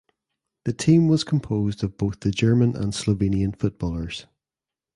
The team was composed of both the German and Slovenian footballers.